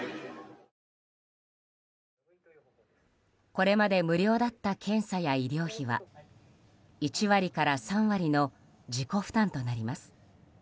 これまで無料だった検査や医療費は１割から３割の自己負担となります。